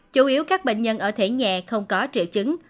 chủ yếu các bệnh nhân ở thể nhẹ không có triệu chứng